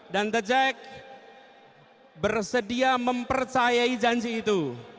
dan the jack bersedia mempercayai janji itu